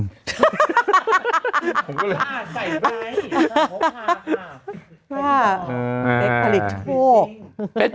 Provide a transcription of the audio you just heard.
เป็ดผลิตโชค